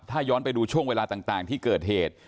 ถ้าย้อนไปดูช่วงเวลาต่างที่เกิดเหตุ